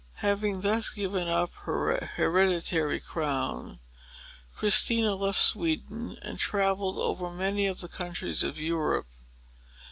Having thus given up her hereditary crown, Christina left Sweden and travelled over many of the countries of Europe.